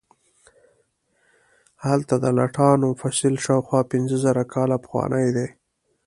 هلته د لټانو فسیل شاوخوا پنځه زره کاله پخوانی دی.